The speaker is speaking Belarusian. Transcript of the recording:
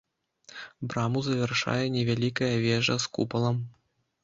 Браму завяршае невялікая вежа з купалам.